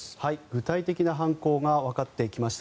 具体的な犯行がわかってきました。